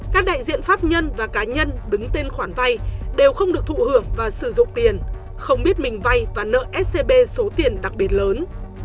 các đại diện pháp nhân và cá nhân đứng tên khoản vay đều không được thụ hưởng và sử dụng tiền không biết mình vay và nợ scb số tiền đặc biệt lớn